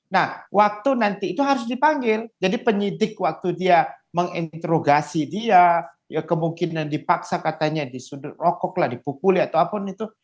nah waktu nanti itu harus dipanggil jadi penyidik waktu dia menginterogasi dia ya kemungkinan dipaksa katanya disudut rokok lah dipukuli atau apapun itu